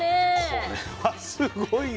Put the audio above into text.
これはすごいね。